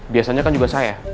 biasanya kan juga saya